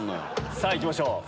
さぁ行きましょう。